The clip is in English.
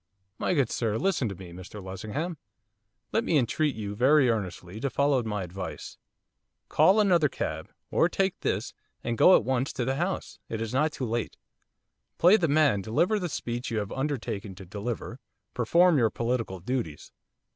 'My good sir! Listen to me, Mr Lessingham. Let me entreat you very earnestly, to follow my advice. Call another cab, or take this! and go at once to the House. It is not too late. Play the man, deliver the speech you have undertaken to deliver, perform your political duties.